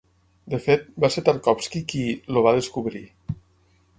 De fet, va ser Tarkovsky qui "el va descobrir".